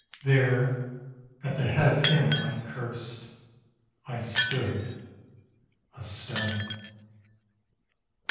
_ There at the head of him I cursed I stood a stone.